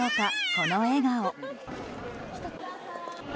この笑顔。